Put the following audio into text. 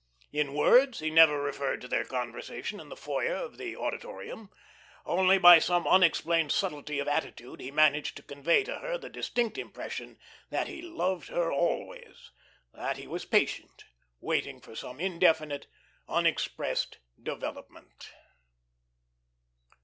In words he never referred to their conversation in the foyer of the Auditorium; only by some unexplained subtlety of attitude he managed to convey to her the distinct impression that he loved her always. That he was patient, waiting for some indefinite, unexpressed development.